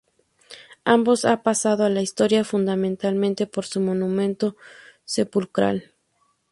Ambos han pasado a la historia fundamentalmente por su monumento sepulcral.